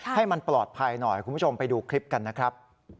ให้มันปลอดภัยหน่อยคุณผู้ชมไปดูคลิปกันนะครับ